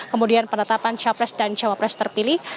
kemudian penetapan capres dan cawapres terpilih